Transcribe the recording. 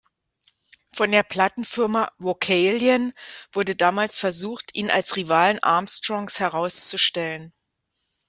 Von der Plattenfirma "Vocalion" wurde damals versucht, ihn als Rivalen Armstrongs herauszustellen.